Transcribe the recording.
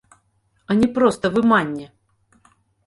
А не проста выманне!